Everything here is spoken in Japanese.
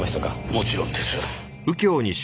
もちろんです。